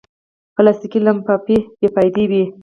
پلاستيکي لفافې بېفایدې وي.